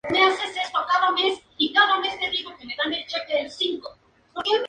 Chen fue el tercer hijo de una familia numerosa de Fuzhou, Fujian, China.